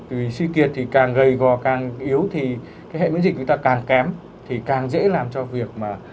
chết vì suy kiệt thì càng gầy gò càng yếu thì hệ miễn dịch người ta càng kém thì càng dễ làm cho việc mà